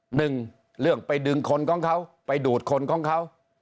หนึ่งเรื่องไปดึงคนของเขาไปดูดคนของเขา